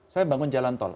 saya bangun jalan tol